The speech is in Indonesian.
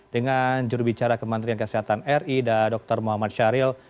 dengan jurubicara kementerian kesehatan ri dan dr muhammad syahril